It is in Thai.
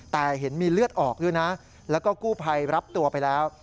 แต่เห็นมีเลือดออกด้วยนะแล้วก็กู้ภัยรับตัวไปแล้ว